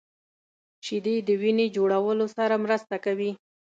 شیدې د وینې جوړولو سره مرسته کوي